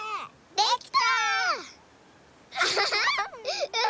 できた！